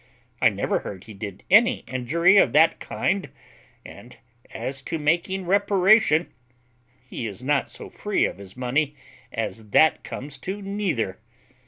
I never heard he did any injury of that kind; and as to making reparation, he is not so free of his money as that comes to neither.